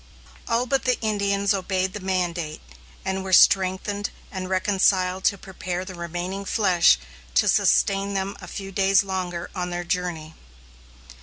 All but the Indians obeyed the mandate, and were strengthened and reconciled to prepare the remaining flesh to sustain them a few days longer on their journey.